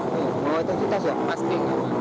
mengganggu intensitas ya pasti